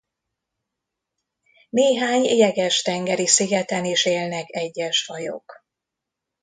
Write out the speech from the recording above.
Néhány jeges-tengeri szigeten is élnek egyes fajok.